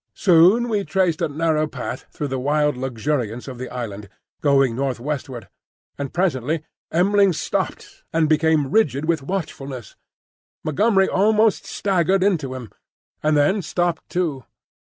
Soon we traced a narrow path through the wild luxuriance of the island, going northwestward; and presently M'ling stopped, and became rigid with watchfulness. Montgomery almost staggered into him, and then stopped too.